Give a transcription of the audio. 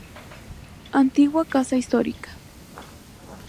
Antigua casa histórica.